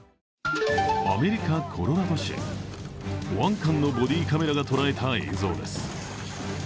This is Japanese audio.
アメリカ・コロラド州、保安官のボディーカメラが捉えた映像です。